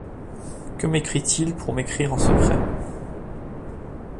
Que m’écrit-il pour m’écrire en secret?